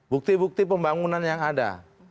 bukti bukti pembangunan yang ada